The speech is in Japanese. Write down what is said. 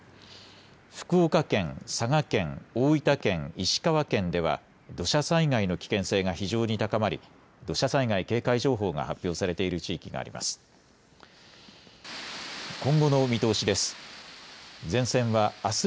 福岡県、佐賀県、大分県、石川県では土砂災害の危険性が非常に高まり土砂災害警戒情報が発表されている地域があります。